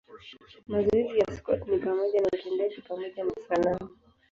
Mazoezi ya Scott ni pamoja na utendaji pamoja na sanamu.